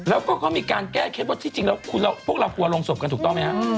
แล้วก็เขามีการแก้เคล็ดว่าที่จริงแล้วพวกเรากลัวโรงศพกันถูกต้องไหมฮะ